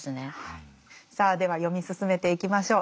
さあでは読み進めていきましょう。